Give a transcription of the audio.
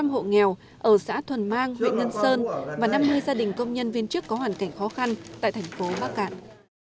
một trăm linh hộ nghèo ở xã thuần mang huyện ngân sơn và năm mươi gia đình công nhân viên chức có hoàn cảnh khó khăn tại thành phố bắc cạn